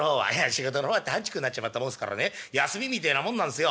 「仕事の方はたんちくになっちまったもんすからね休みみてえなもんなんすよ。